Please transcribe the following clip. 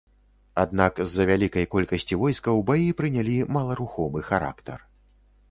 Аднак з-за вялікай колькасці войскаў баі прынялі маларухомы характар.